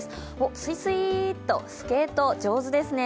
スイスイとスケート上手ですね。